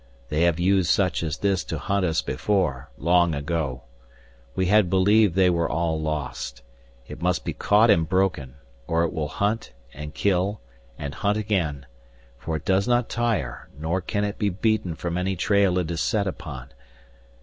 "They have used such as this to hunt us before, long ago. We had believed they were all lost. It must be caught and broken, or it will hunt and kill and hunt again, for it does not tire nor can it be beaten from any trail it is set upon.